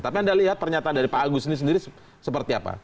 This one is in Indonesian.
tapi anda lihat pernyataan dari pak agus ini sendiri seperti apa